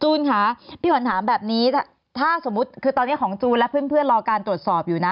ค่ะพี่ขวัญถามแบบนี้ถ้าสมมุติคือตอนนี้ของจูนและเพื่อนรอการตรวจสอบอยู่นะ